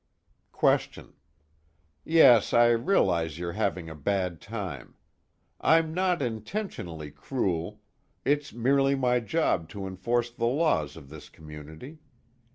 QUESTION: Yes, I realize you're having a bad time. I'm not intentionally cruel, it's merely my job to enforce the laws of this community.